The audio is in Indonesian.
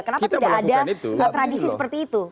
kenapa tidak ada tradisi seperti itu